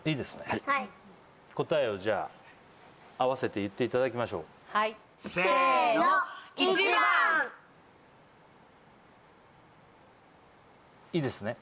はい答えをじゃあ合わせて言っていただきましょうせの１番いいですね？